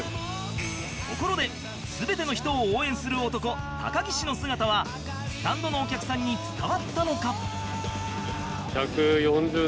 ところで全ての人を応援する男高岸の姿はスタンドのお客さんに伝わったのか？